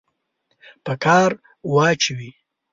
په کار واچوي.